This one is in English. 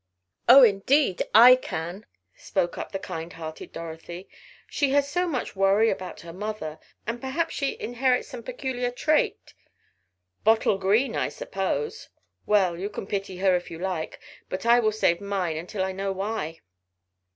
"Oh, indeed I can," spoke up the kind hearted Dorothy. "She has so much worry about her mother. And perhaps she inherits some peculiar trait " "Bottle Green, I suppose. Well, you can pity her if you like, but I will save mine until I know why."